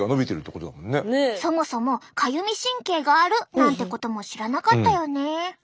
そもそもかゆみ神経があるなんてことも知らなかったよね。